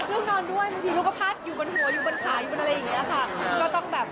ลูกนอนด้วยบางทีลูกก็พัดอยู่บนหัวอยู่บนขาอยู่บนอะไรอย่างนี้ค่ะก็ต้องแบบ